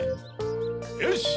よし！